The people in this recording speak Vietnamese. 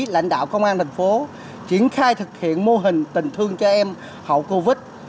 lãnh đạo công an tp cn triển khai thực hiện mô hình tình thương cho em hậu covid